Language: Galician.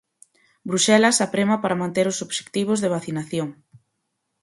Bruxelas aprema para manter os obxectivos de vacinación.